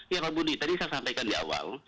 ya pak budi tadi saya sampaikan di awal